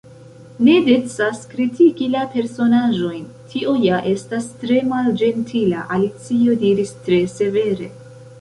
"Ne decas kritiki la personaĵojn; tio ja estas tre malĝentila." Alicio diris tre severe.